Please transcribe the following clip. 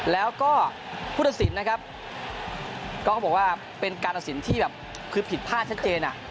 แล้วก็ผู้ทัศนนะครับก็บอกว่าเป็นการอสินที่ผิดพลาดชัดเจน